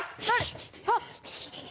あっ。